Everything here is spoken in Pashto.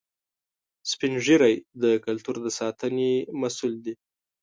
سپین ږیری د کلتور د ساتنې مسؤل دي